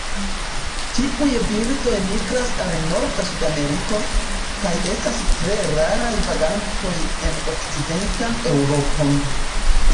Tiuj birdoj migras al norda Sudameriko, kaj estas tre raraj vagantoj en okcidentan Eŭropon.